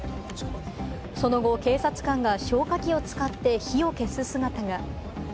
その後、警察官が消火器を使って火を消す姿が。